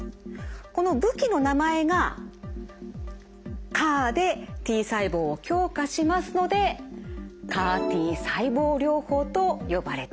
この武器の名前が「ＣＡＲ」でＴ細胞を強化しますのでＣＡＲ−Ｔ細胞療法と呼ばれています。